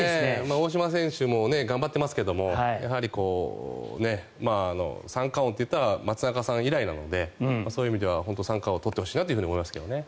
大島選手も頑張ってますけどやはり三冠王と言ったら松坂さん以来なのでそういう意味では三冠王取ってほしいと思いますがね。